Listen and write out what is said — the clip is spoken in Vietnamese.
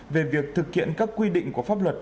về việc thực hiện các quy định của pháp luật